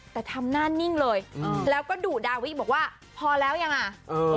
แต่ทำหน้านิ่งเลยแล้วก็ดุดาวิบอกว่าพอแล้วยังอ่ะเออ